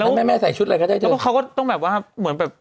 แม่แม่ใส่ชุดอะไรก็ได้เถอะเขาก็ต้องแบบว่าเหมือนแบบ